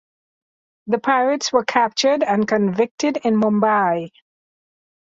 The pirates were captured and convicted in Mumbai.